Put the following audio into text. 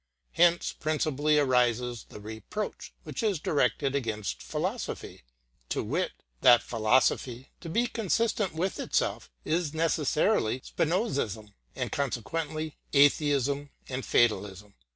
Hence, principally, arises the reproach which is directed against philosophy to wit, that philosophy, to be consistent with itself, is necessarily Spinozism, and consequently atheism and fatalism.